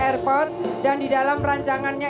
airport dan di dalam rancangannya